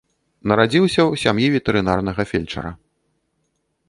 Нарадзіўся ў сям'і ветэрынарнага фельчара.